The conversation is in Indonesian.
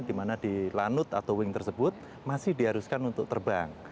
di mana di lanut atau wing tersebut masih diharuskan untuk terbang